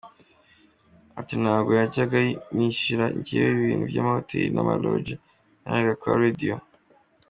Ati: “Ntabwo najyaga nishyura njyewe ibintu by’amahoteli n’amalodge nararaga kwa Radio.